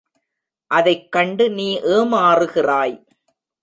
அதைக் கண்டு நீ ஏமாறுகிறாய்!